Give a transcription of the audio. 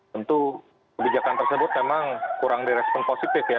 tentu kebijakan tersebut memang kurang direspon positif ya